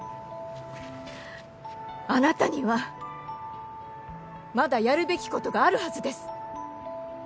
あなたにはまだやるべきことがあるはずです。